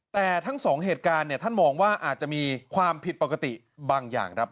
แต่ทั้งสองเหตุการณ์เนี่ยท่านมองว่าอาจจะมีความผิดปกติบางอย่างครับ